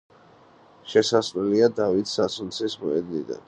შესასვლელია დავით სასუნცის მოედნიდან.